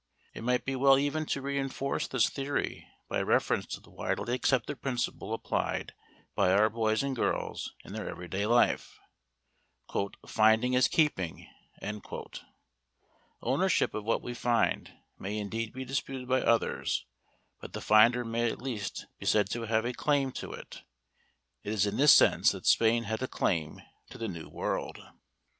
It might be well even to reinforce this theory by reference to the widely accepted principle applied by our boys and girls in their everyday life, "finding is keeping." Ownership of what we find may indeed be disputed by others, but the finder may at least be said to have a "claim" to it. It is in this sense that Spain had a "claim" to the New World.